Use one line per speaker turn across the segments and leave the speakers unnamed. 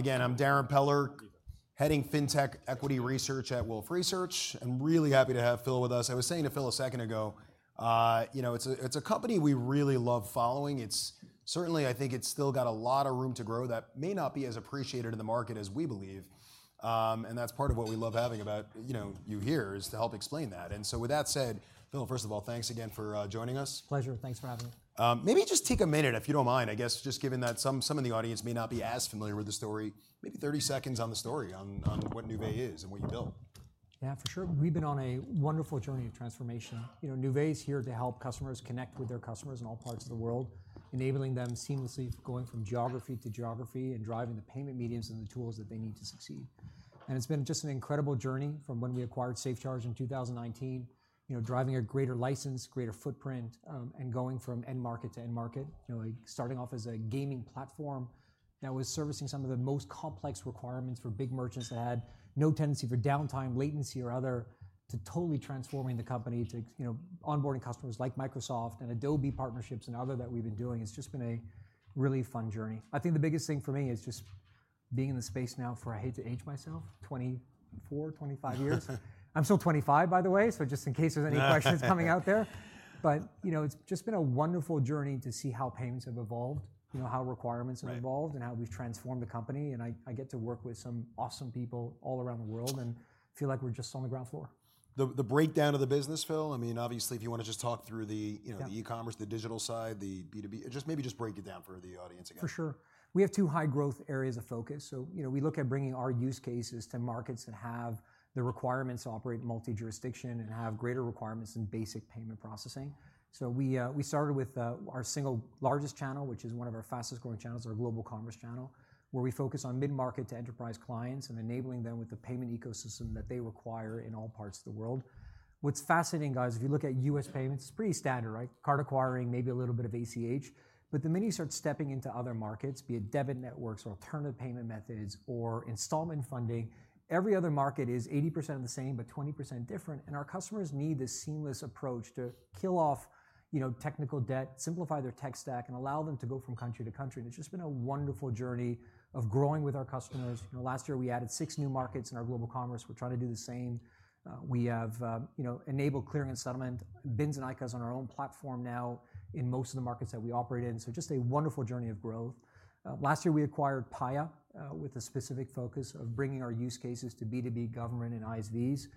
Again, I'm Darrin Peller, heading FinTech equity research at Wolfe Research. I'm really happy to have Phil with us. I was saying to Phil a second ago, you know, it's a company we really love following. It's certainly, I think it's still got a lot of room to grow that may not be as appreciated in the market as we believe. And that's part of what we love having about you here is to help explain that. And so with that said, Phil, first of all, thanks again for joining us.
Pleasure. Thanks for having me.
Maybe just take a minute, if you don't mind, I guess, just given that some in the audience may not be as familiar with the story, maybe 30 seconds on the story on what Nuvei is and what you built.
Yeah, for sure. We've been on a wonderful journey of transformation. Nuvei is here to help customers connect with their customers in all parts of the world, enabling them seamlessly going from geography to geography and driving the payment mediums and the tools that they need to succeed. It's been just an incredible journey from when we acquired SafeCharge in 2019, driving a greater license, greater footprint, and going from end market to end market, starting off as a gaming platform that was servicing some of the most complex requirements for big merchants that had no tendency for downtime, latency, or other, to totally transforming the company to onboarding customers like Microsoft and Adobe partnerships and other that we've been doing. It's just been a really fun journey. I think the biggest thing for me is just being in the space now for I hate to age myself, 24, 25 years. I'm still 25, by the way, so just in case there's any questions coming out there. But it's just been a wonderful journey to see how payments have evolved, how requirements have evolved, and how we've transformed the company. And I get to work with some awesome people all around the world and feel like we're just on the ground floor.
The breakdown of the business, Phil? I mean, obviously, if you want to just talk through the e-commerce, the digital side, the B2B, just maybe just break it down for the audience again.
For sure. We have two high-growth areas of focus. So we look at bringing our use cases to markets that have the requirements operate multi-jurisdiction and have greater requirements in basic payment processing. So we started with our single largest channel, which is one of our fastest-growing channels, our global commerce channel, where we focus on mid-market to enterprise clients and enabling them with the payment ecosystem that they require in all parts of the world. What's fascinating, guys, if you look at U.S. payments, it's pretty standard, right? Card acquiring, maybe a little bit of ACH. But the minute you start stepping into other markets, be it debit networks or alternative payment methods or installment funding, every other market is 80% of the same but 20% different. Our customers need this seamless approach to kill off technical debt, simplify their tech stack, and allow them to go from country to country. It's just been a wonderful journey of growing with our customers. Last year, we added 6 new markets in our global commerce. We're trying to do the same. We have enabled clearing and settlement, BINs and ICAs on our own platform now in most of the markets that we operate in. Just a wonderful journey of growth. Last year, we acquired Paya with a specific focus of bringing our use cases to B2B government and ISVs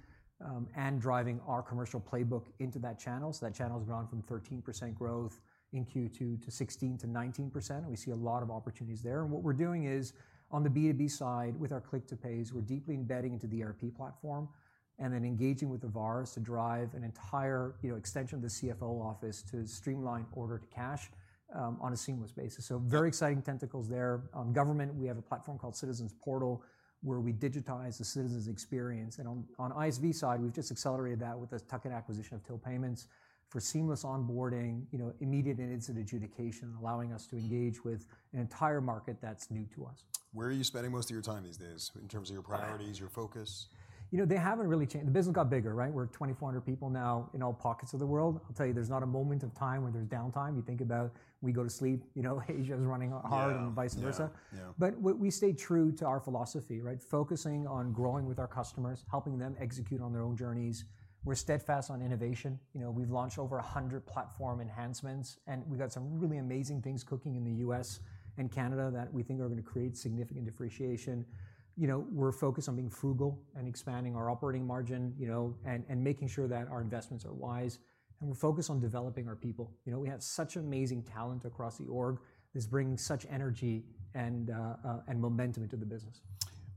and driving our commercial playbook into that channel. That channel has gone from 13% growth in Q2 to 16% to 19%. We see a lot of opportunities there. What we're doing is on the B2B side, with our Click to Pay, we're deeply embedding into the ERP platform and then engaging with our ISVs to drive an entire extension of the CFO office to streamline order-to-cash on a seamless basis. So very exciting tentacles there. On government, we have a platform called Citizens Portal where we digitize the citizens' experience. On the ISV side, we've just accelerated that with the recent acquisition of Till Payments for seamless onboarding, immediate and instant adjudication, allowing us to engage with an entire market that's new to us.
Where are you spending most of your time these days in terms of your priorities, your focus?
They haven't really changed. The business got bigger, right? We're 2,400 people now in all pockets of the world. I'll tell you, there's not a moment of time where there's downtime. You think about we go to sleep, Asia's running hard, and vice versa. But we stay true to our philosophy, focusing on growing with our customers, helping them execute on their own journeys. We're steadfast on innovation. We've launched over 100 platform enhancements. And we got some really amazing things cooking in the U.S. and Canada that we think are going to create significant depreciation. We're focused on being frugal and expanding our operating margin and making sure that our investments are wise. And we're focused on developing our people. We have such amazing talent across the org that's bringing such energy and momentum into the business.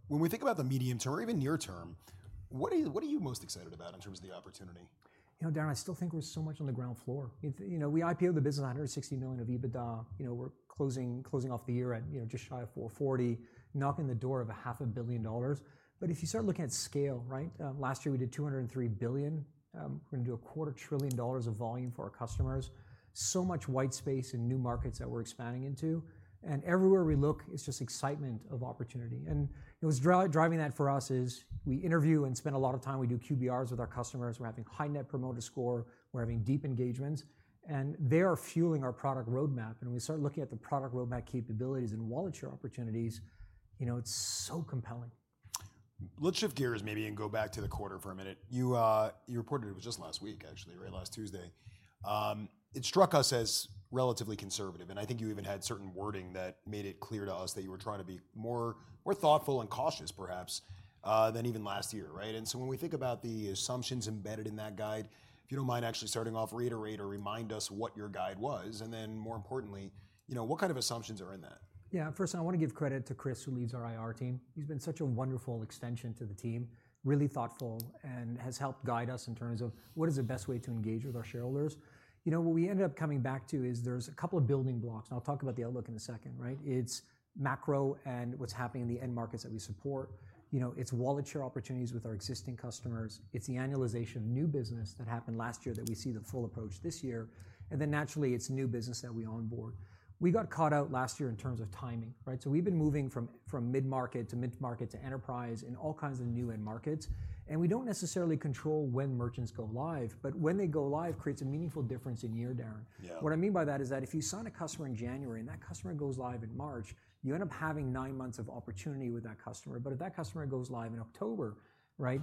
When we think about the medium term or even near term, what are you most excited about in terms of the opportunity?
Darrin, I still think we're so much on the ground floor. We IPOed the business at $160 million of EBITDA. We're closing off the year at just shy of $440 million, knocking on the door of $500 million. But if you start looking at scale, last year we did $203 billion. We're going to do $250 billion of volume for our customers. So much white space in new markets that we're expanding into. Everywhere we look, it's just excitement of opportunity. What's driving that for us is we interview and spend a lot of time. We do QBRs with our customers. We're having high Net Promoter Score. We're having deep engagements. They are fueling our product roadmap. When we start looking at the product roadmap capabilities and wallet share opportunities, it's so compelling.
Let's shift gears maybe and go back to the quarter for a minute. You reported it was just last week, actually, right last Tuesday. It struck us as relatively conservative. I think you even had certain wording that made it clear to us that you were trying to be more thoughtful and cautious, perhaps, than even last year. So when we think about the assumptions embedded in that guide, if you don't mind actually starting off, reiterate or remind us what your guide was. Then more importantly, what kind of assumptions are in that?
Yeah. First of all, I want to give credit to Chris, who leads our IR team. He's been such a wonderful extension to the team, really thoughtful, and has helped guide us in terms of what is the best way to engage with our shareholders. What we ended up coming back to is there's a couple of building blocks. I'll talk about the outlook in a second. It's macro and what's happening in the end markets that we support. It's wallet share opportunities with our existing customers. It's the annualization of new business that happened last year that we see the full approach this year. Then naturally, it's new business that we onboard. We got caught out last year in terms of timing. We've been moving from mid-market to mid-market to enterprise in all kinds of new end markets. We don't necessarily control when merchants go live. But when they go live, it creates a meaningful difference in year, Darrin. What I mean by that is that if you sign a customer in January and that customer goes live in March, you end up having nine months of opportunity with that customer. But if that customer goes live in October,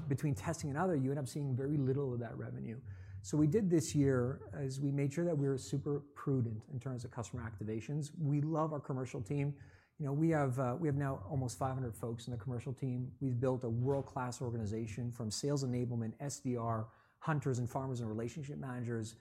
between testing and other, you end up seeing very little of that revenue. So we did this year as we made sure that we were super prudent in terms of customer activations. We love our commercial team. We have now almost 500 folks in the commercial team. We've built a world-class organization from sales enablement, SDR, hunters, and farmers, and relationship managers.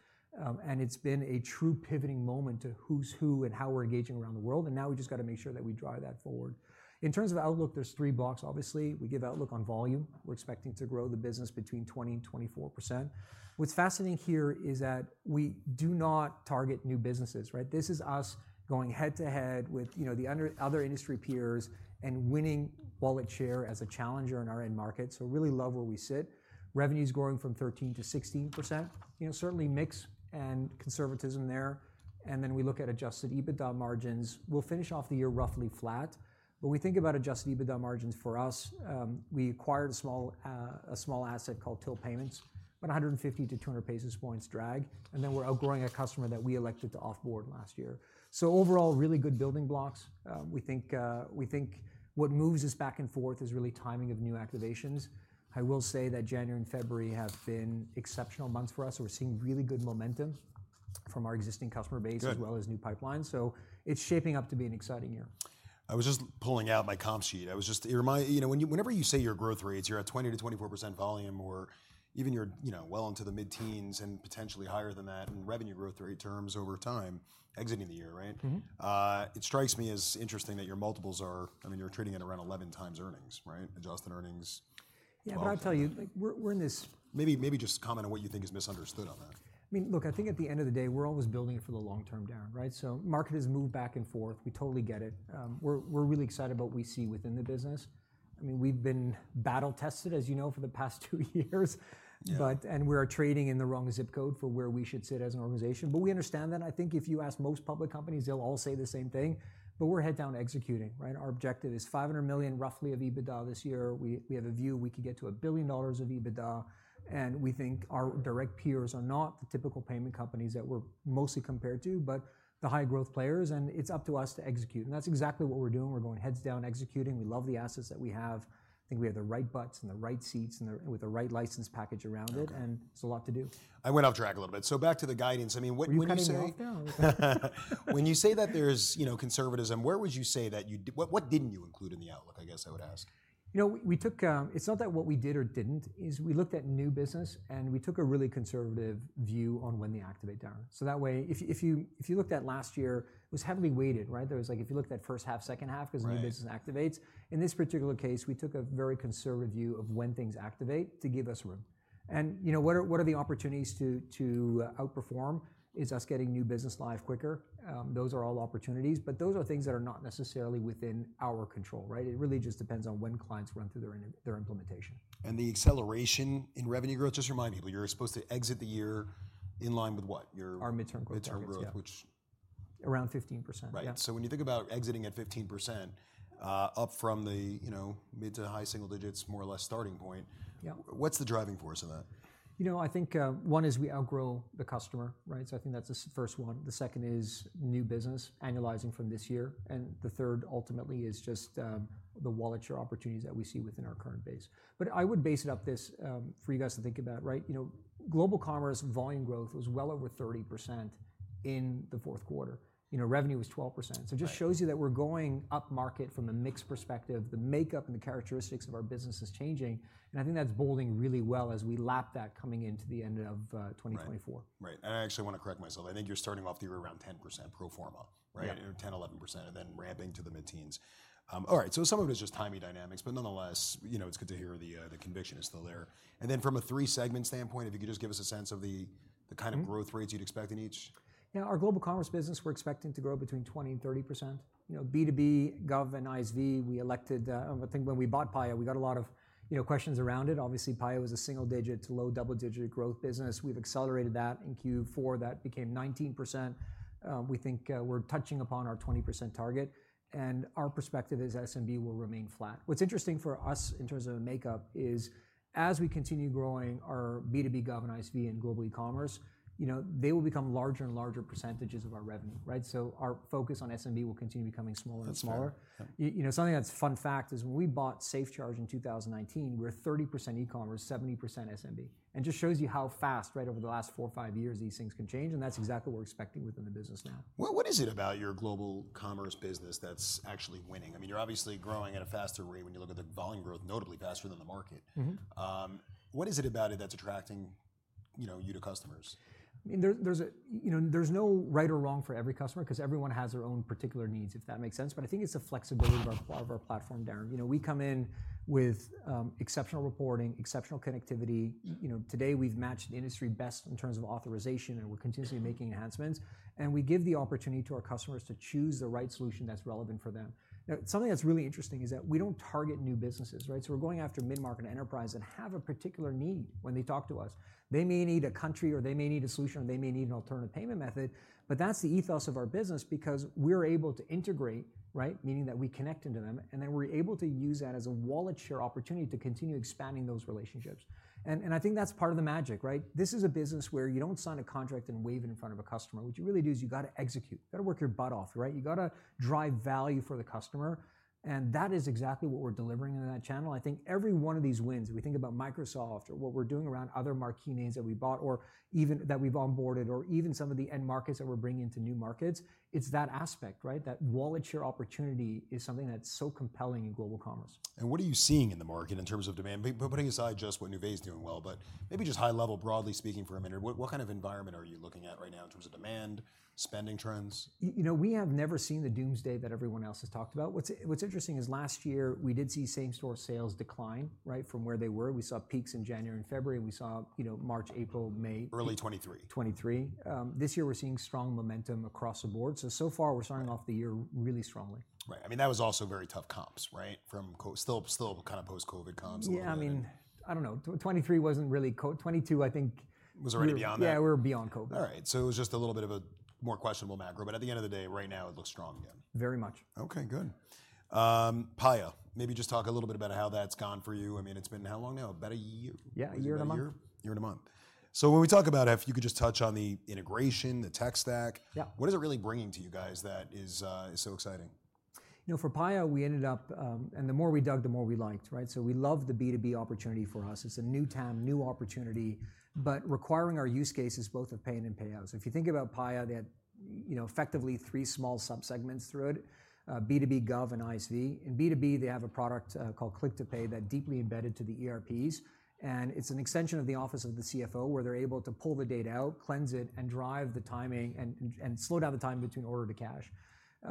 And it's been a true pivoting moment to who's who and how we're engaging around the world. Now we just got to make sure that we drive that forward. In terms of outlook, there's three blocks, obviously. We give outlook on volume. We're expecting to grow the business between 20% and 24%. What's fascinating here is that we do not target new businesses. This is us going head-to-head with the other industry peers and winning wallet share as a challenger in our end market. So really love where we sit. Revenue is growing 13%-16%. Certainly mix and conservatism there. And then we look at adjusted EBITDA margins. We'll finish off the year roughly flat. But when we think about adjusted EBITDA margins for us, we acquired a small asset called Till Payments, about 150-200 basis points drag. And then we're outgrowing a customer that we elected to offboard last year. So overall, really good building blocks. We think what moves us back and forth is really timing of new activations. I will say that January and February have been exceptional months for us. We're seeing really good momentum from our existing customer base as well as new pipelines. So it's shaping up to be an exciting year.
I was just pulling out my comp sheet. Whenever you say your growth rates, you're at 20%-24% volume or even you're well into the mid-teens and potentially higher than that in revenue growth rate terms over time exiting the year. It strikes me as interesting that your multiples are I mean, you're trading at around 11x earnings, adjusted earnings.
Yeah. But I'll tell you, we're in this.
Maybe just comment on what you think is misunderstood on that.
I mean, look, I think at the end of the day, we're always building it for the long term, Darrin. So market has moved back and forth. We totally get it. We're really excited about what we see within the business. I mean, we've been battle-tested, as you know, for the past two years. And we are trading in the wrong zip code for where we should sit as an organization. But we understand that. I think if you ask most public companies, they'll all say the same thing. But we're head down executing. Our objective is $500 million roughly of EBITDA this year. We have a view we could get to $1 billion of EBITDA. And we think our direct peers are not the typical payment companies that we're mostly compared to, but the high-growth players. And it's up to us to execute. And that's exactly what we're doing. We're going heads down executing. We love the assets that we have. I think we have the right butts and the right seats with the right license package around it. There's a lot to do.
I went off track a little bit. So back to the guidance. I mean, what would you say?
We kind of made it off down.
When you say that there's conservatism, where would you say that you what didn't you include in the outlook, I guess I would ask?
It's not that what we did or didn't. We looked at new business. We took a really conservative view on when they activate, Darrin. So that way, if you looked at last year, it was heavily weighted. There was like, if you looked at first half, second half, because new business activates. In this particular case, we took a very conservative view of when things activate to give us room. What are the opportunities to outperform is us getting new business live quicker. Those are all opportunities. Those are things that are not necessarily within our control. It really just depends on when clients run through their implementation.
The acceleration in revenue growth, just remind people, you're supposed to exit the year in line with what?
Our mid-term growth.
Mid-term growth, which.
Around 15%.
Right. So when you think about exiting at 15% up from the mid to high single digits, more or less, starting point, what's the driving force of that?
I think one is we outgrow the customer. I think that's the first one. The second is new business annualizing from this year. The third, ultimately, is just the wallet share opportunities that we see within our current base. But I would back it up for you guys to think about. Global commerce volume growth was well over 30% in the fourth quarter. Revenue was 12%. It just shows you that we're going upmarket from a mix perspective. The makeup and the characteristics of our business is changing. I think that's boding really well as we lap that coming into the end of 2024.
Right. And I actually want to correct myself. I think you're starting off the year around 10% pro forma, 10%, 11%, and then ramping to the mid-teens. All right. So some of it is just timing dynamics. But nonetheless, it's good to hear the conviction is still there. And then from a three-segment standpoint, if you could just give us a sense of the kind of growth rates you'd expect in each.
Yeah. Our global commerce business, we're expecting to grow between 20% and 30%. B2B, Gov, and ISV, we elected I think when we bought Paya, we got a lot of questions around it. Obviously, Paya was a single-digit to low double-digit growth business. We've accelerated that. In Q4, that became 19%. We think we're touching upon our 20% target. And our perspective is SMB will remain flat. What's interesting for us in terms of the makeup is as we continue growing our B2B, Gov, and ISV in global e-commerce, they will become larger and larger percentages of our revenue. So our focus on SMB will continue becoming smaller and smaller. Something that's a fun fact is when we bought SafeCharge in 2019, we were 30% e-commerce, 70% SMB. And it just shows you how fast, over the last four or five years, these things can change. That's exactly what we're expecting within the business now.
What is it about your global commerce business that's actually winning? I mean, you're obviously growing at a faster rate when you look at the volume growth, notably faster than the market. What is it about it that's attracting you to customers?
There's no right or wrong for every customer because everyone has their own particular needs, if that makes sense. But I think it's the flexibility of our platform, Darrin. We come in with exceptional reporting, exceptional connectivity. Today, we've matched industry best in terms of authorization. And we're continuously making enhancements. And we give the opportunity to our customers to choose the right solution that's relevant for them. Something that's really interesting is that we don't target new businesses. So we're going after mid-market and enterprise that have a particular need when they talk to us. They may need a country, or they may need a solution, or they may need an alternative payment method. But that's the ethos of our business because we're able to integrate, meaning that we connect into them. And then we're able to use that as a wallet share opportunity to continue expanding those relationships. And I think that's part of the magic. This is a business where you don't sign a contract and wave it in front of a customer. What you really do is you got to execute. You got to work your butt off. You got to drive value for the customer. And that is exactly what we're delivering in that channel. I think every one of these wins we think about Microsoft or what we're doing around other marquee names that we bought or that we've onboarded or even some of the end markets that we're bringing into new markets, it's that aspect. That wallet share opportunity is something that's so compelling in global commerce.
What are you seeing in the market in terms of demand? Putting aside just what Nuvei is doing well, but maybe just high level, broadly speaking for a minute, what kind of environment are you looking at right now in terms of demand, spending trends?
We have never seen the doomsday that everyone else has talked about. What's interesting is last year, we did see same-store sales decline from where they were. We saw peaks in January and February. We saw March, April, May.
Early '23.
2023. This year, we're seeing strong momentum across the board. So, so far, we're starting off the year really strongly.
Right. I mean, that was also very tough comps from still kind of post-COVID comps.
Yeah. I mean, I don't know. 2023 wasn't really 2022, I think.
Was already beyond that?
Yeah. We were beyond COVID.
All right. So it was just a little bit of a more questionable macro. But at the end of the day, right now, it looks strong again.
Very much.
OK. Good. Paya, maybe just talk a little bit about how that's gone for you. I mean, it's been how long now? About a year?
Yeah. A year and a month.
A year and a month. So when we talk about if you could just touch on the integration, the tech stack, what is it really bringing to you guys that is so exciting?
For Paya, we ended up, and the more we dug, the more we liked. So we love the B2B opportunity for us. It's a new TAM, new opportunity, but requiring our use cases both of pay-in and payouts. If you think about Paya, they had effectively three small subsegments through it: B2B, Gov, and ISV. In B2B, they have a product called Click to Pay that's deeply embedded to the ERPs. And it's an extension of the Office of the CFO where they're able to pull the data out, cleanse it, and drive the timing and slow down the time between order to cash.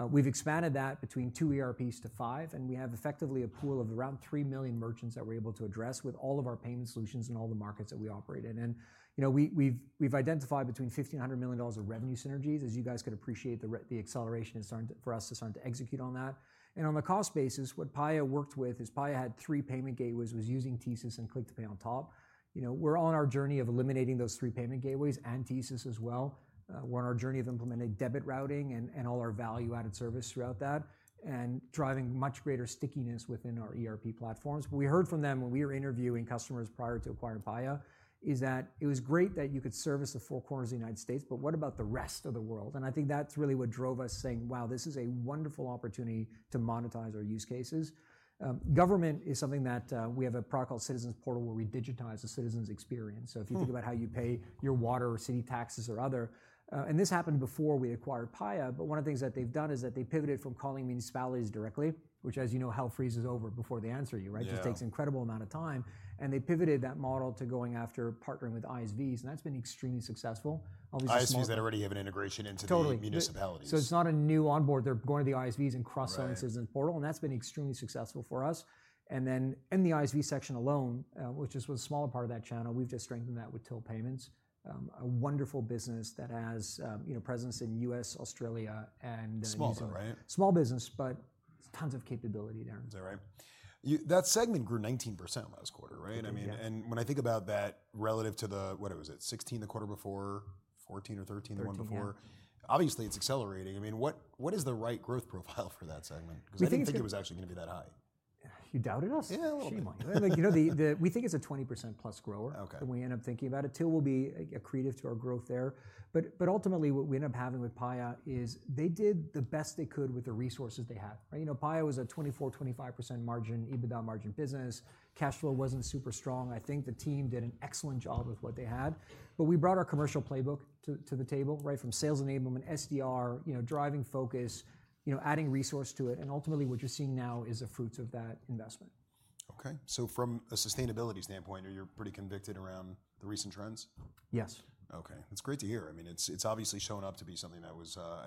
We've expanded that between two ERPs to five. And we have effectively a pool of around 3 million merchants that we're able to address with all of our payment solutions in all the markets that we operate in. We've identified between $1,500 million of revenue synergies, as you guys could appreciate, the acceleration for us to start to execute on that. On the cost basis, what Paya worked with is Paya had three payment gateways. It was using TSYS and Click to Pay on top. We're on our journey of eliminating those three payment gateways and TSYS as well. We're on our journey of implementing debit routing and all our value-added service throughout that and driving much greater stickiness within our ERP platforms. What we heard from them when we were interviewing customers prior to acquiring Paya is that it was great that you could service the four corners of the United States. But what about the rest of the world? I think that's really what drove us saying, wow, this is a wonderful opportunity to monetize our use cases. Government is something that we have a product called Citizens Portal where we digitize the citizens' experience. So if you think about how you pay your water or city taxes or other and this happened before we acquired Paya. But one of the things that they've done is that they pivoted from calling municipalities directly, which, as you know, hell freezes over before they answer you. It just takes an incredible amount of time. And they pivoted that model to going after partnering with ISVs. And that's been extremely successful.
ISVs that already have an integration into the municipalities.
Totally. So it's not a new onboard. They're going to the ISVs and cross-selling Citizens Portal. And that's been extremely successful for us. And then in the ISV section alone, which was a smaller part of that channel, we've just strengthened that with Till Payments, a wonderful business that has presence in the U.S., Australia, and.
Small, right?
Small business, but tons of capability, Darrin.
Is that right? That segment grew 19% last quarter. When I think about that relative to the what was it? 2016, the quarter before, 2014 or 2013, the one before. Obviously, it's accelerating. I mean, what is the right growth profile for that segment? Because I didn't think it was actually going to be that high.
You doubted us?
Yeah.
Shame on you. We think it's a 20%+ grower when we end up thinking about it. Till will be accretive to our growth there. But ultimately, what we end up having with Paya is they did the best they could with the resources they had. Paya was a 24%-25% margin, EBITDA margin business. Cash flow wasn't super strong. I think the team did an excellent job with what they had. But we brought our commercial playbook to the table from sales enablement, SDR, driving focus, adding resource to it. And ultimately, what you're seeing now is the fruits of that investment.
OK. From a sustainability standpoint, are you pretty convinced around the recent trends?
Yes.
OK. That's great to hear. I mean, it's obviously shown up to be something that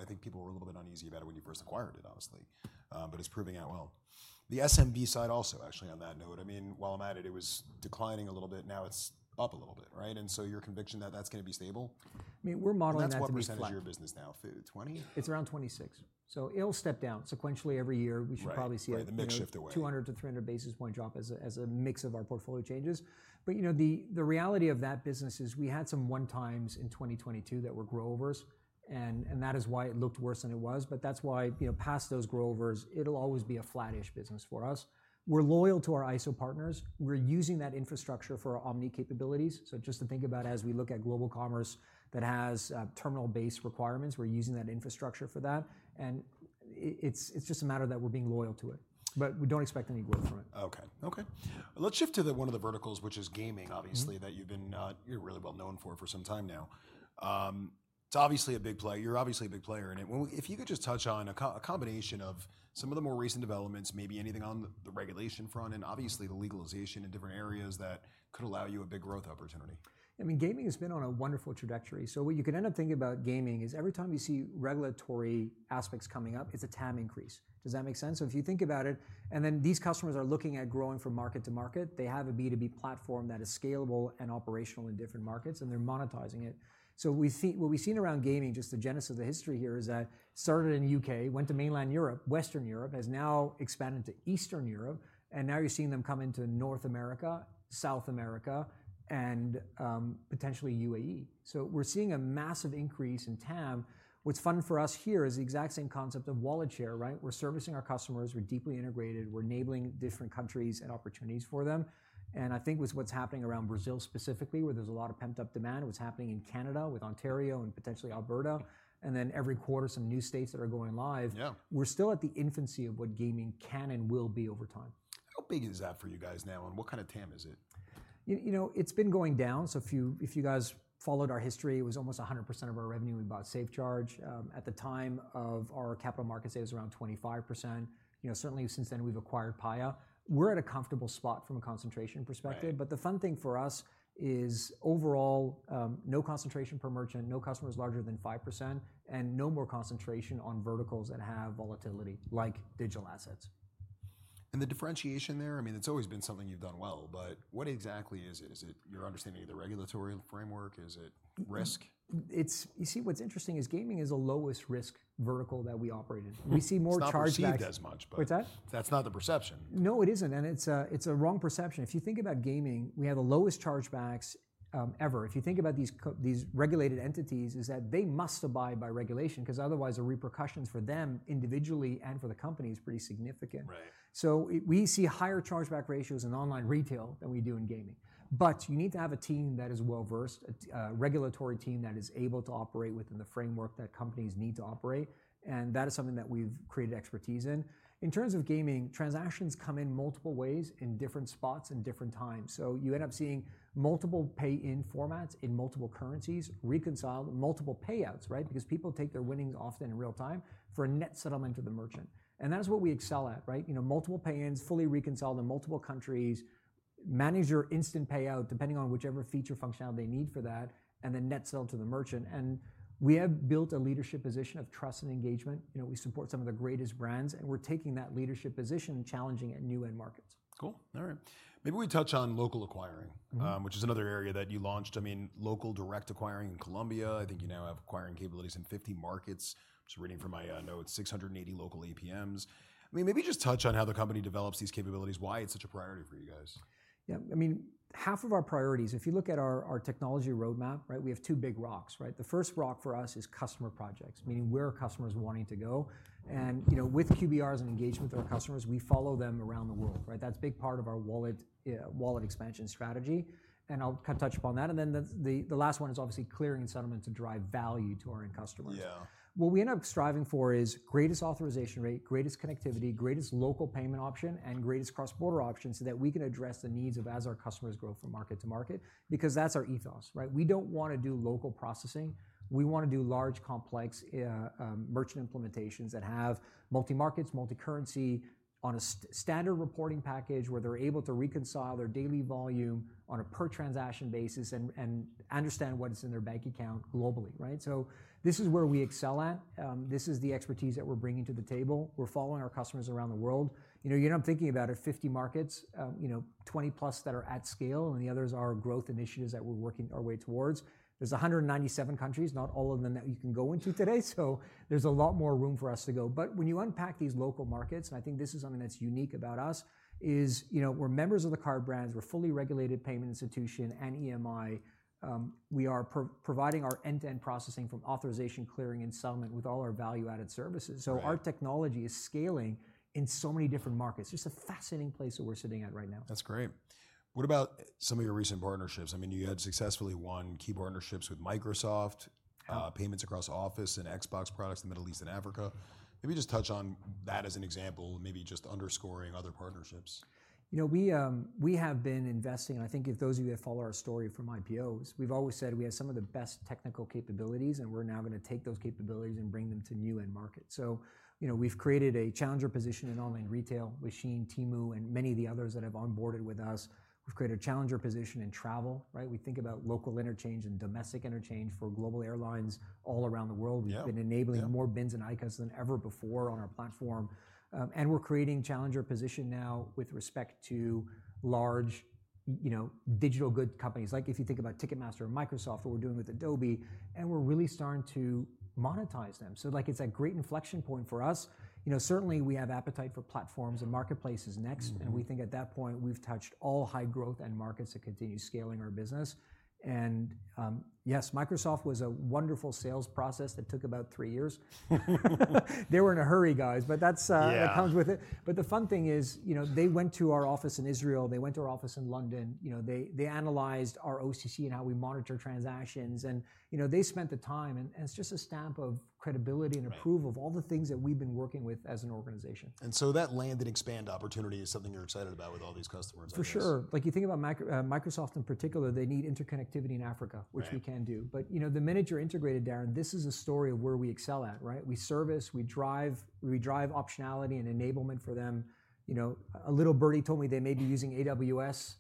I think people were a little bit uneasy about it when you first acquired it, honestly. But it's proving out well. The SMB side also, actually, on that note, I mean, while I'm at it, it was declining a little bit. Now it's up a little bit. And so your conviction that that's going to be stable?
I mean, we're modeling that too.
That's what percentage of your business now? 20%?
It's around 26%. So it'll step down sequentially every year. We should probably see it.
Right. The mix shift away.
200-300 basis point drop as a mix of our portfolio changes. But the reality of that business is we had some one-time in 2022 that were growovers. And that is why it looked worse than it was. But that's why past those growovers, it'll always be a flat-ish business for us. We're loyal to our ISO partners. We're using that infrastructure for our omni capabilities. So just to think about as we look at global commerce that has terminal-based requirements, we're using that infrastructure for that. And it's just a matter that we're being loyal to it. But we don't expect any growth from it.
OK. Let's shift to one of the verticals, which is gaming, obviously, that you're really well known for some time now. It's obviously a big player. You're obviously a big player in it. If you could just touch on a combination of some of the more recent developments, maybe anything on the regulation front and obviously the legalization in different areas that could allow you a big growth opportunity.
I mean, gaming has been on a wonderful trajectory. So what you could end up thinking about gaming is every time you see regulatory aspects coming up, it's a TAM increase. Does that make sense? So if you think about it, and then these customers are looking at growing from market to market, they have a B2B platform that is scalable and operational in different markets. And they're monetizing it. So what we've seen around gaming, just the genesis of the history here, is that it started in the UK, went to mainland Europe, Western Europe, has now expanded to Eastern Europe. And now you're seeing them come into North America, South America, and potentially UAE. So we're seeing a massive increase in TAM. What's fun for us here is the exact same concept of wallet share. We're servicing our customers. We're deeply integrated. We're enabling different countries and opportunities for them. I think with what's happening around Brazil specifically, where there's a lot of pent-up demand, what's happening in Canada with Ontario and potentially Alberta, and then every quarter some new states that are going live, we're still at the infancy of what gaming can and will be over time.
How big is that for you guys now? What kind of TAM is it?
It's been going down. If you guys followed our history, it was almost 100% of our revenue. We bought SafeCharge. At the time of our capital markets, it was around 25%. Certainly, since then, we've acquired Paya. We're at a comfortable spot from a concentration perspective. The fun thing for us is overall, no concentration per merchant, no customers larger than 5%, and no more concentration on verticals that have volatility like digital assets.
The differentiation there, I mean, it's always been something you've done well. But what exactly is it? Is it your understanding of the regulatory framework? Is it risk?
You see, what's interesting is gaming is the lowest risk vertical that we operate in. We see more chargebacks.
It's not seed as much.
What's that?
That's not the perception.
No, it isn't. It's a wrong perception. If you think about gaming, we have the lowest chargebacks ever. If you think about these regulated entities, is that they must abide by regulation because otherwise, the repercussions for them individually and for the company is pretty significant. So we see higher chargeback ratios in online retail than we do in gaming. You need to have a team that is well-versed, a regulatory team that is able to operate within the framework that companies need to operate. That is something that we've created expertise in. In terms of gaming, transactions come in multiple ways in different spots and different times. You end up seeing multiple pay-in formats in multiple currencies, reconciled multiple payouts because people take their winnings often in real time for a net settlement to the merchant. That is what we excel at. Multiple pay-ins, fully reconciled in multiple countries, manage your instant payout depending on whichever feature functionality they need for that, and then net settle to the merchant. We have built a leadership position of trust and engagement. We support some of the greatest brands. We're taking that leadership position and challenging it in new end markets.
Cool. All right. Maybe we touch on local acquiring, which is another area that you launched. I mean, local direct acquiring in Colombia. I think you now have acquiring capabilities in 50 markets. Just reading from my notes, 680 local APMs. I mean, maybe just touch on how the company develops these capabilities, why it's such a priority for you guys.
Yeah. I mean, half of our priorities if you look at our technology roadmap, we have two big rocks. The first rock for us is customer projects, meaning where customers wanting to go. And with QBRs and engagement with our customers, we follow them around the world. That's a big part of our wallet expansion strategy. And I'll touch upon that. And then the last one is obviously clearing and settlement to drive value to our end customers. What we end up striving for is greatest authorization rate, greatest connectivity, greatest local payment option, and greatest cross-border option so that we can address the needs of as our customers grow from market to market because that's our ethos. We don't want to do local processing. We want to do large, complex merchant implementations that have multi-markets, multi-currency on a standard reporting package where they're able to reconcile their daily volume on a per-transaction basis and understand what's in their bank account globally. So this is where we excel at. This is the expertise that we're bringing to the table. We're following our customers around the world. You end up thinking about it, 50 markets, 20+ that are at scale. And the others are growth initiatives that we're working our way towards. There's 197 countries, not all of them that you can go into today. So there's a lot more room for us to go. But when you unpack these local markets and I think this is something that's unique about us is we're members of the card brands. We're a fully regulated payment institution and EMI. We are providing our end-to-end processing from authorization, clearing, and settlement with all our value-added services. So our technology is scaling in so many different markets. It's just a fascinating place that we're sitting at right now.
That's great. What about some of your recent partnerships? I mean, you had successfully won key partnerships with Microsoft, payments across Office and Xbox products in the Middle East and Africa. Maybe just touch on that as an example, maybe just underscoring other partnerships.
We have been investing. I think if those of you that follow our story from IPOs, we've always said we have some of the best technical capabilities. We're now going to take those capabilities and bring them to new end markets. So we've created a challenger position in online retail, WeChat, Temu, and many of the others that have onboarded with us. We've created a challenger position in travel. We think about local interchange and domestic interchange for global airlines all around the world. We've been enabling more BINs and ICAs than ever before on our platform. We're creating a challenger position now with respect to large digital good companies. Like if you think about Ticketmaster and Microsoft that we're doing with Adobe. We're really starting to monetize them. So it's a great inflection point for us. Certainly, we have appetite for platforms and marketplaces next. We think at that point, we've touched all high growth end markets that continue scaling our business. Yes, Microsoft was a wonderful sales process that took about 3 years. They were in a hurry, guys. But that comes with it. The fun thing is they went to our office in Israel. They went to our office in London. They analyzed our OCC and how we monitor transactions. They spent the time. It's just a stamp of credibility and approval of all the things that we've been working with as an organization.
That land and expand opportunity is something you're excited about with all these customers.
For sure. Like you think about Microsoft in particular, they need interconnectivity in Africa, which we can do. But the minute you're integrated, Darrin, this is a story of where we excel at. We service. We drive optionality and enablement for them. A little birdie told me they may be using AWS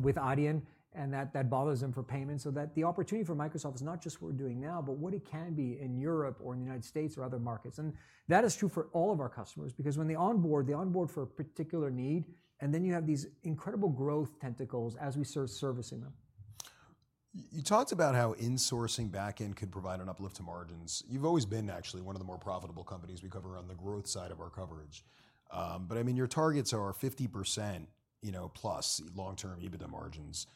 with Adyen. And that bothers them for payments. So the opportunity for Microsoft is not just what we're doing now, but what it can be in Europe or in the United States or other markets. And that is true for all of our customers because when they onboard, they onboard for a particular need. And then you have these incredible growth tentacles as we start servicing them.
You talked about how insourcing back end could provide an uplift to margins. You've always been, actually, one of the more profitable companies we cover on the growth side of our coverage. But I mean, your targets are 50%+ long-term EBITDA margins.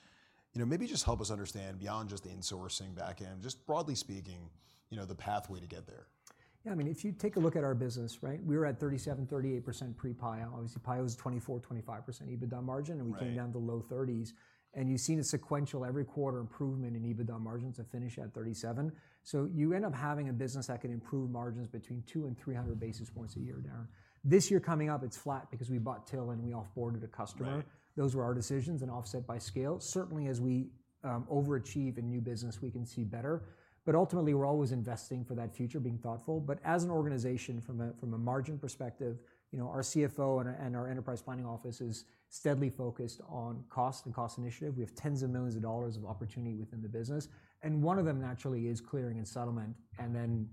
Maybe just help us understand beyond just insourcing back end, just broadly speaking, the pathway to get there?
Yeah. I mean, if you take a look at our business, we were at 37%-38% pre-Paya. Obviously, Paya was 24%-25% EBITDA margin. And we came down to low 30s. And you've seen a sequential every quarter improvement in EBITDA margins to finish at 37%. So you end up having a business that can improve margins between 200-300 basis points a year, Darrin. This year coming up, it's flat because we bought Till and we offboarded a customer. Those were our decisions and offset by scale. Certainly, as we overachieve in new business, we can see better. But ultimately, we're always investing for that future, being thoughtful. But as an organization, from a margin perspective, our CFO and our enterprise planning office is steadily focused on cost and cost initiative. We have tens of millions of dollars of opportunity within the business. One of them naturally is clearing and settlement and then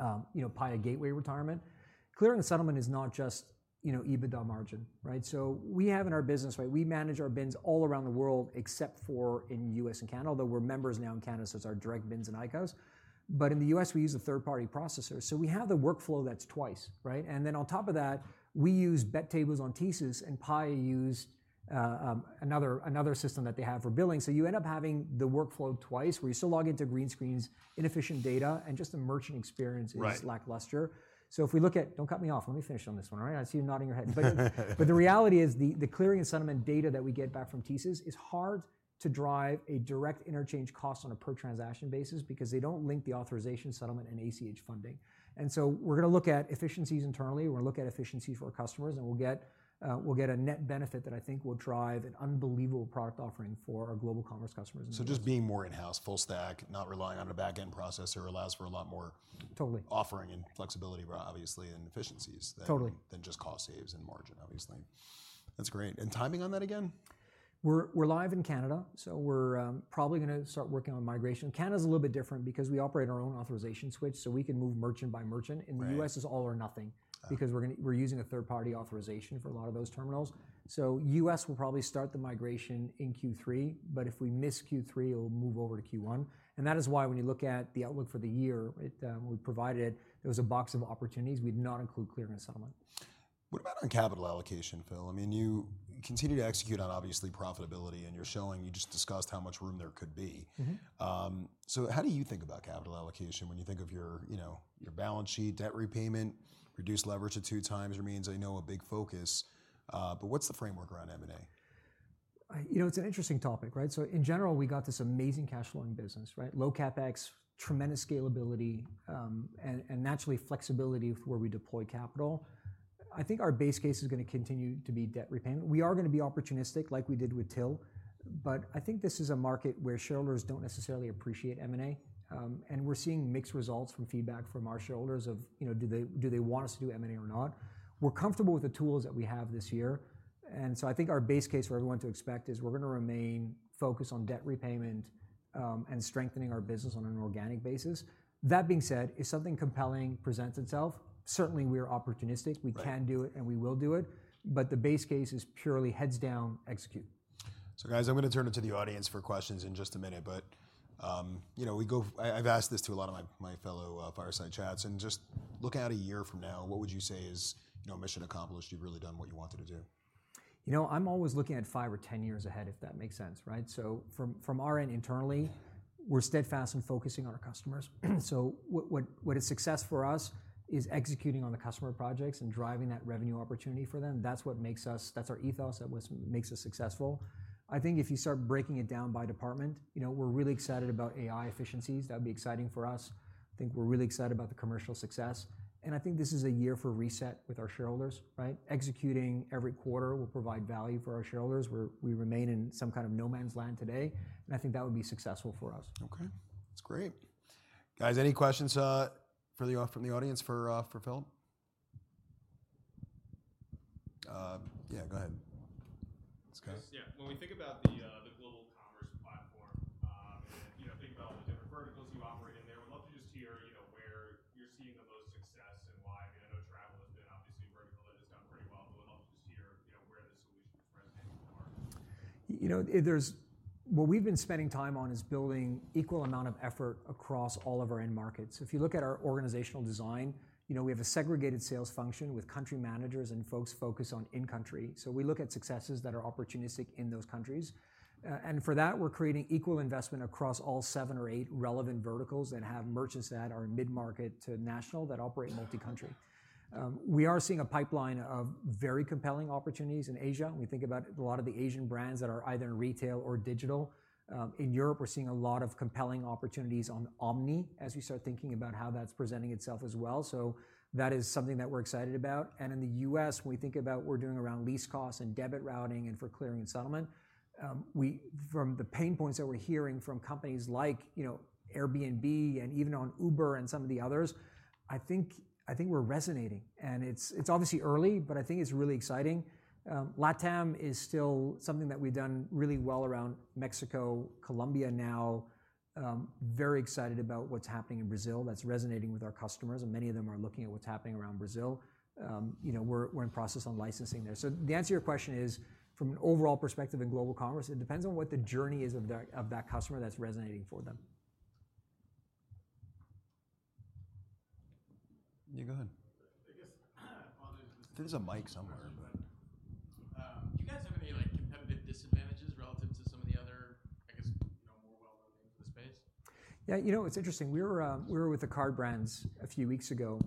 Paya Gateway retirement. Clearing and settlement is not just EBITDA margin. So we have in our business we manage our BINs all around the world except for in the U.S. and Canada, although we're members now in Canada so it's our direct BINs and ICAs. But in the U.S., we use a third-party processor. So we have the workflow that's twice. And then on top of that, we use BET tables on TSYS. And Paya used another system that they have for billing. So you end up having the workflow twice where you still log into green screens, inefficient data, and just the merchant experience is lackluster. So if we look at don't cut me off. Let me finish on this one. I see you nodding your head. But the reality is the clearing and settlement data that we get back from TSYS is hard to drive a direct interchange cost on a per-transaction basis because they don't link the authorization, settlement, and ACH funding. And so we're going to look at efficiencies internally. We're going to look at efficiencies for our customers. And we'll get a net benefit that I think will drive an unbelievable product offering for our global commerce customers.
Just being more in-house, full stack, not relying on a back end processor allows for a lot more offering and flexibility, obviously, and efficiencies than just cost saves and margin, obviously. That's great. Timing on that again?
We're live in Canada. So we're probably going to start working on migration. Canada is a little bit different because we operate our own authorization switch. So we can move merchant by merchant. In the U.S., it's all or nothing because we're using a third-party authorization for a lot of those terminals. So U.S. will probably start the migration in Q3. But if we miss Q3, it'll move over to Q1. And that is why when you look at the outlook for the year we provided it, there was a box of opportunities. We did not include clearing and settlement.
What about on capital allocation, Phil? I mean, you continue to execute on obviously profitability. And you're showing you just discussed how much room there could be. So how do you think about capital allocation when you think of your balance sheet, debt repayment, reduced leverage at 2x? It means I know a big focus. But what's the framework around M&A?
It's an interesting topic. In general, we got this amazing cash flowing business, low CapEx, tremendous scalability, and naturally flexibility with where we deploy capital. I think our base case is going to continue to be debt repayment. We are going to be opportunistic like we did with Till. I think this is a market where shareholders don't necessarily appreciate M&A. We're seeing mixed results from feedback from our shareholders of do they want us to do M&A or not? We're comfortable with the tools that we have this year. I think our base case for everyone to expect is we're going to remain focused on debt repayment and strengthening our business on an organic basis. That being said, if something compelling presents itself, certainly, we are opportunistic. We can do it. And we will do it. But the base case is purely heads down execute.
So guys, I'm going to turn it to the audience for questions in just a minute. But I've asked this to a lot of my fellow fireside chats. And just looking out a year from now, what would you say is mission accomplished? You've really done what you wanted to do. You know.
I'm always looking at 5 or 10 years ahead if that makes sense. So from our end internally, we're steadfast in focusing on our customers. So what is success for us is executing on the customer projects and driving that revenue opportunity for them. That's what makes us that's our ethos that makes us successful. I think if you start breaking it down by department, we're really excited about AI efficiencies. That would be exciting for us. I think we're really excited about the commercial success. And I think this is a year for reset with our shareholders. Executing every quarter will provide value for our shareholders. We remain in some kind of no man's land today. And I think that would be successful for us.
OK. That's great. Guys, any questions from the audience for Phil? Yeah, go ahead.
Yeah. When we think about the global commerce platform and think about all the different verticals you operate in there, we'd love to just hear where you're seeing the most success and why. I know travel has been obviously a vertical that has done pretty well. But we'd love to just hear where the solution is presenting in the market.
What we've been spending time on is building equal amount of effort across all of our end markets. So if you look at our organizational design, we have a segregated sales function with country managers and folks focused on in-country. So we look at successes that are opportunistic in those countries. And for that, we're creating equal investment across all seven or eight relevant verticals that have merchants that are mid-market to national that operate multi-country. We are seeing a pipeline of very compelling opportunities in Asia. When we think about a lot of the Asian brands that are either in retail or digital, in Europe, we're seeing a lot of compelling opportunities on omni as we start thinking about how that's presenting itself as well. So that is something that we're excited about. In the U.S., when we think about what we're doing around lease costs and debit routing and for clearing and settlement, from the pain points that we're hearing from companies like Airbnb and even on Uber and some of the others, I think we're resonating. It's obviously early. I think it's really exciting. LATAM is still something that we've done really well around Mexico, Colombia now. Very excited about what's happening in Brazil that's resonating with our customers. Many of them are looking at what's happening around Brazil. We're in process on licensing there. The answer to your question is from an overall perspective in global commerce, it depends on what the journey is of that customer that's resonating for them.
Yeah, go ahead.
I guess if there's a mic somewhere. You guys have any competitive disadvantages relative to some of the other, I guess, more well-known names in the space?
Yeah. You know it's interesting. We were with the card brands a few weeks ago.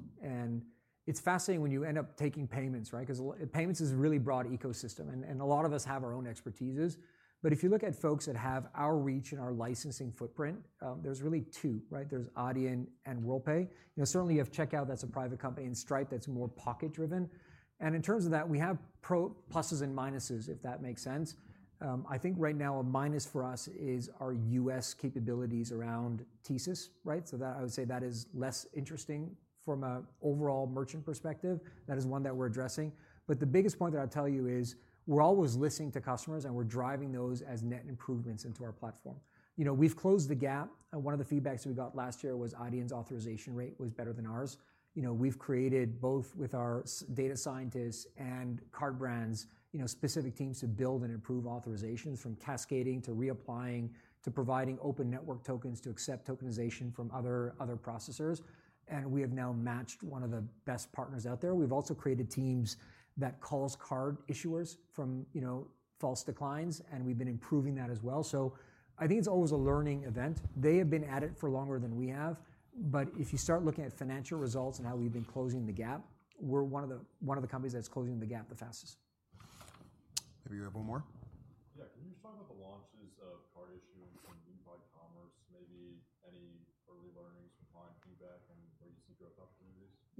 It's fascinating when you end up taking payments because payments is a really broad ecosystem. A lot of us have our own expertises. But if you look at folks that have our reach and our licensing footprint, there's really two. There's Adyen and Worldpay. Certainly, you have Checkout that's a private company and Stripe that's more pocket driven. In terms of that, we have pluses and minuses if that makes sense. I think right now, a minus for us is our U.S. capabilities around TCES. So I would say that is less interesting from an overall merchant perspective. That is one that we're addressing. The biggest point that I'll tell you is we're always listening to customers. We're driving those as net improvements into our platform. We've closed the gap. One of the feedbacks that we got last year was Adyen's authorization rate was better than ours. We've created both with our data scientists and card brands specific teams to build and improve authorizations from cascading to reapplying to providing open network tokens to accept tokenization from other processors. We have now matched one of the best partners out there. We've also created teams that calls card issuers from false declines. We've been improving that as well. I think it's always a learning event. They have been at it for longer than we have. But if you start looking at financial results and how we've been closing the gap, we're one of the companies that's closing the gap the fastest.
Maybe you have one more?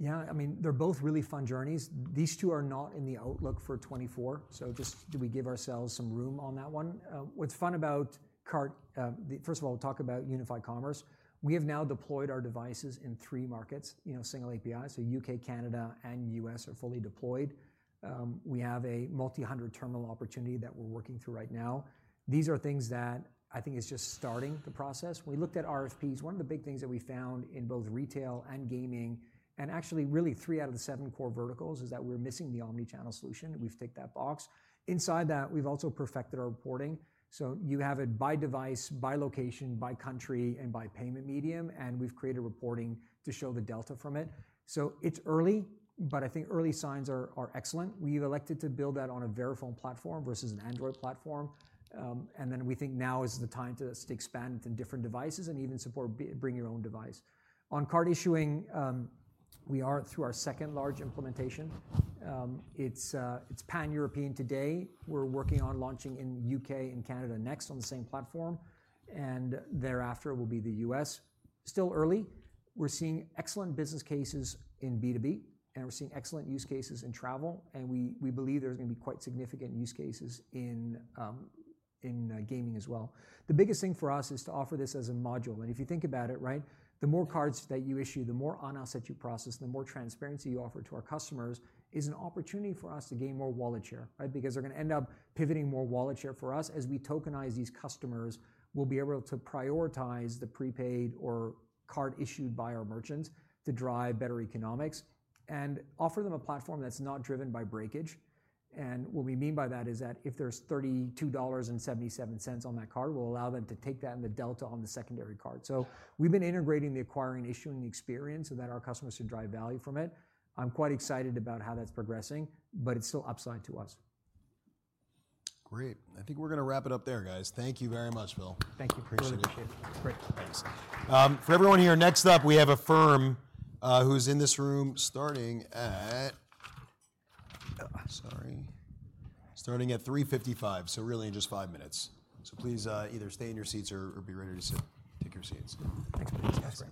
Yeah. Can you just talk about the launches of card issuing from Unified Commerce? Maybe any early learnings from client feedback and where you see growth opportunities?
Yeah. I mean, they're both really fun journeys. These two are not in the outlook for 2024. So just do we give ourselves some room on that one? What's fun about card first of all, we'll talk about Unified Commerce. We have now deployed our devices in 3 markets, single API. So U.K., Canada, and U.S. are fully deployed. We have a multi-hundred terminal opportunity that we're working through right now. These are things that I think is just starting the process. We looked at RFPs. One of the big things that we found in both retail and gaming and actually really 3 out of the 7 core verticals is that we're missing the omni-channel solution. We've ticked that box. Inside that, we've also perfected our reporting. So you have it by device, by location, by country, and by payment medium. And we've created reporting to show the delta from it. So it's early. But I think early signs are excellent. We've elected to build that on a Verifone platform versus an Android platform. And then we think now is the time to expand it to different devices and even support bring your own device. On card issuing, we are through our second large implementation. It's pan-European today. We're working on launching in UK and Canada next on the same platform. And thereafter, it will be the US. Still early. We're seeing excellent business cases in B2B. And we're seeing excellent use cases in travel. And we believe there's going to be quite significant use cases in gaming as well. The biggest thing for us is to offer this as a module. If you think about it, the more cards that you issue, the more on-asset you process, the more transparency you offer to our customers is an opportunity for us to gain more wallet share because they're going to end up pivoting more wallet share for us as we tokenize these customers. We'll be able to prioritize the prepaid or card issued by our merchants to drive better economics and offer them a platform that's not driven by breakage. What we mean by that is that if there's $32.77 on that card, we'll allow them to take that and the delta on the secondary card. We've been integrating the acquiring and issuing experience so that our customers can drive value from it. I'm quite excited about how that's progressing. It's still upside to us.
Great. I think we're going to wrap it up there, guys. Thank you very much, Phil.
Thank you. Appreciate it.
Really appreciate it. Great. Thanks. For everyone here, next up, we have affirm who's in this room starting at 3:55. So really in just five minutes. So please either stay in your seats or be ready to take your seats.
Thanks, please.